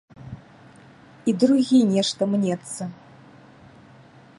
І другі нешта мнецца.